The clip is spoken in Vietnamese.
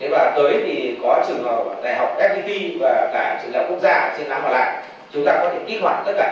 và chúng ta cũng đang chuẩn bị những cơ sở thực chất